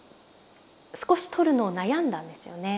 少し撮るのを悩んだんですよね。